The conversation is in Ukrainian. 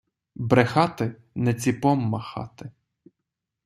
Брехати — не ціпом махати.